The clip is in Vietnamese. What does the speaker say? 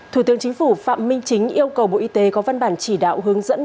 thủ tướng chính phủ phạm minh chính yêu cầu bộ y tế có văn bản chỉ đạo hướng dẫn